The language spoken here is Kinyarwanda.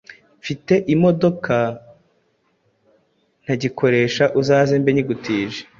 Mfite imodoka ntagikoreha uzaze mbe nyigutije